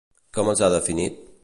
Com els ha definit?